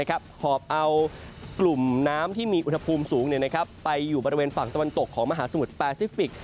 หอบเอากลุ่มน้ำที่มีอุณหภูมิสูงไปอยู่บริเวณฝั่งตะวันตกของมหาสมุทรแปซิฟิกส